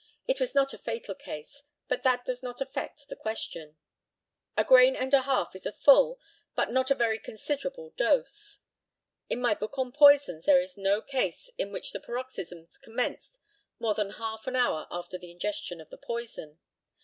It was not a fatal case, but that does not affect the question. A grain and a half is a full, but not a very considerable dose. In my book on poisons there is no case in which the paroxysms commenced more than half an hour after the ingestion of the poison.